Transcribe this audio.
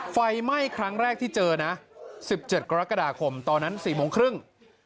ไฟไหม้ครั้งแรกที่เจอนะ๑๗กรกฎาคมตอนนั้น๔โมงครึ่ง